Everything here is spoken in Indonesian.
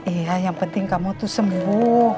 iya yang penting kamu tuh sembuh